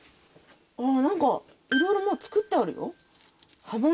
何かいろいろもう作ってあるよ。